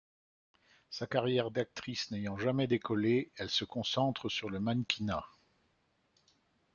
Sa carrière d'actrice n'ayant jamais décollé, elle se concentre sur le mannequinat.